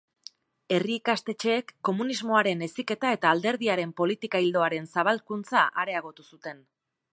Herri-ikastetxeek komunismoaren heziketa eta Alderdiaren politika-ildoaren zabalkuntza areagotu zuten.